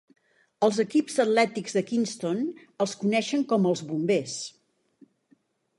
Els equips atlètics de Kenston els coneixen com els Bombers.